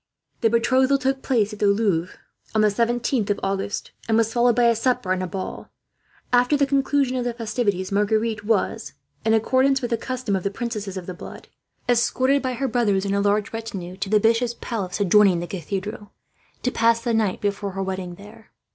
The betrothal took place at the Louvre on the 17th of August, and was followed by a supper and a ball. After the conclusion of the festivities Marguerite was, in accordance with the custom of the princesses of the blood, escorted by her brothers and a large retinue to the Bishops' Palace adjoining the Cathedral, to pass the night before her wedding there.